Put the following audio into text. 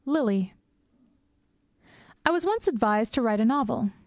VII LILY I was once advised to write a novel.